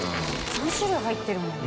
３種類入ってるもんな。